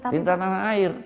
cinta tanah air